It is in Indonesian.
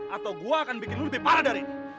atau gue akan bikin lu lebih parah dari ini